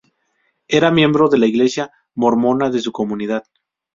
Era miembro de la iglesia mormona de su comunidad.